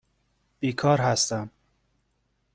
بیکار هستم.